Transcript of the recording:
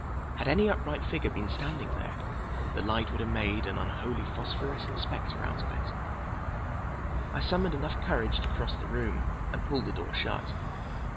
Had any upright figure been standing there, the light would have made an unholy phosphorescent specter out of it. I summoned enough courage to cross the room and pull the door shut.